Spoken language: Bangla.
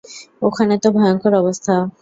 ওখানে তো ভয়ঙ্কর অবস্থা।